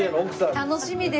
楽しみです。